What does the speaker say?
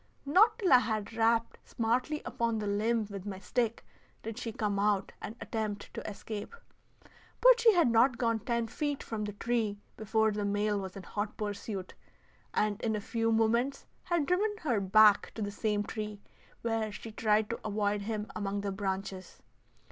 Not till I had rapped smartly upon the limb with my stick did she come out and attempt to escape; but she had not gone ten feet from the tree before the male was in hot pursuit, and in a few moments had driven her back to the same tree, where she tried to avoid him among the branches.